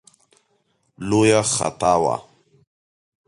لویه خطا وه.